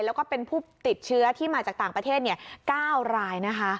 แล้วก็เป็นผู้ติดเชื้อที่มาจากต่างประเทศ๙รายนะคะ